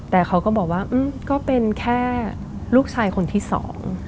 แต่เขาก็บอกว่าก็เป็นแค่ลูกชายคนที่สอง